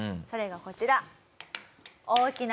それがこちら。